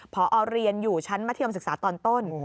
พอเรียนอยู่ชั้นมัธยมศึกษาตอนต้น